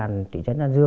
nó có vào